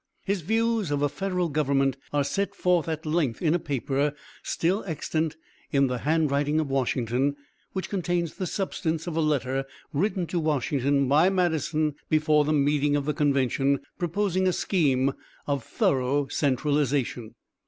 His views of a federal government are set forth at length in a paper still extant in the hand writing of Washington, which contains the substance of a letter written to Washington by Madison before the meeting of the convention, proposing a scheme of thorough centralization.